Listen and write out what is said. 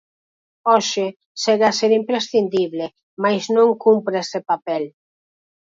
Hoxe, segue a ser imprescindible, mais non cumpre ese papel.